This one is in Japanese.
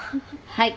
はい。